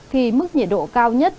khi mức nhiệt độ cao nhất